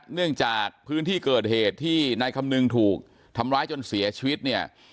เนื่องจากพื้นที่เกิดเหตุที่นายคำนึงถูกทำร้ายจนเสียชีวิตเนี่ย